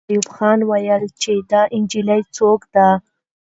ایوب خان وویل چې دا نجلۍ څوک ده.